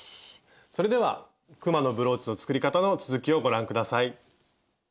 それではくまのブローチの作り方の続きをご覧下さい。